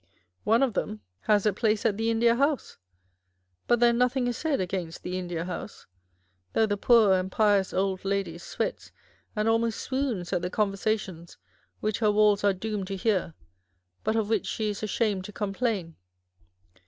One of them has a place at the India 25G The New School of Reform. House : but then nothing is said against the India House, though the poor and pious Old Lady sweats and almost swoons at the conversations which her walls are doomed to hear, but of which she is ashamed to complain.